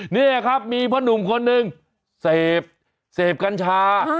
นี่ครับมีพ่อหนุ่มคนหนึ่งเสพกัญชา